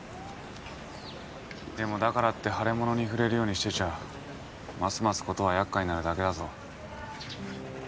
でもだからって腫れ物に触れるようにしてちゃますます事は厄介になるだけだぞ。